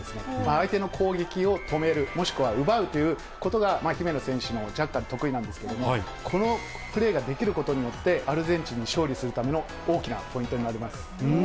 相手の攻撃を止める、もしくは奪うということが姫野選手もジャッカル得意なんですけど、このプレーができることによって、アルゼンチンに勝利するための大きなポイントになります。